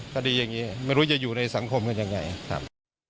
คดีอย่างนี้ไม่รู้จะอยู่ในสังคมกันยังไงครับ